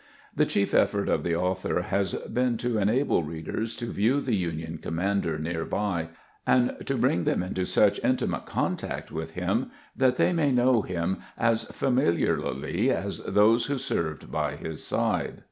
The chief effort of the author has been to enable readers to view the Union commander near by, and to bring them into such intimate contact with him that they may know him as familiarly as those who served by his side.